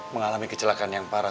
mengalami kecelakaan yang parah